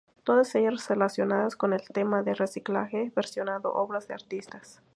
Todas ellas relacionadas con el tema del reciclaje, versionando obras de artistas.